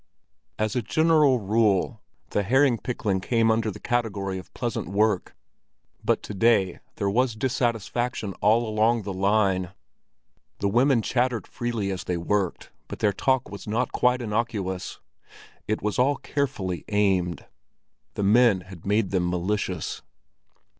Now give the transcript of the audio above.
As a general rule, the herring pickling came under the category of pleasant work, but to day there was dissatisfaction all along the line. The women chattered freely as they worked, but their talk was not quite innocuous—it was all carefully aimed; the men had made them malicious.